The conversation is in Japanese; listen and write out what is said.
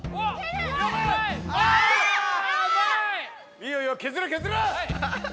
いいよいいよ削れ削れ！